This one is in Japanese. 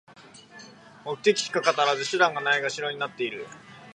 目的しか語らず、手段がないがしろになってる